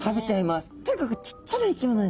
とにかくちっちゃな生き物なんですね。